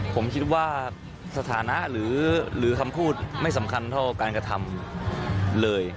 ผมคิดว่าสถานะหรือคำพูดไม่สำคัญเท่าการกระทำเลย